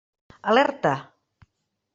Alerta.